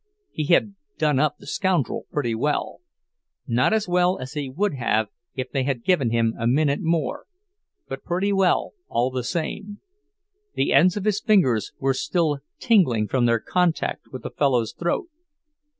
He had done up the scoundrel pretty well—not as well as he would have if they had given him a minute more, but pretty well, all the same; the ends of his fingers were still tingling from their contact with the fellow's throat.